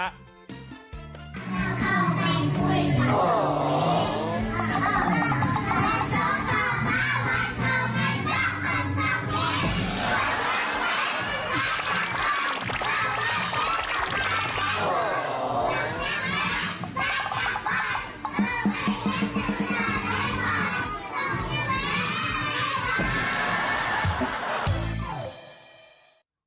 แล้วเขาไปคุยกับโจ๊กบี